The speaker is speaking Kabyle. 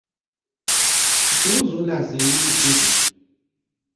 Ittruẓu leɛzayem n yigduden.